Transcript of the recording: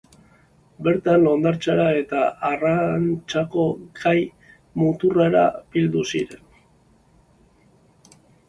Bertan hondartzara eta arrantzako kai-muturrera bildu ziren.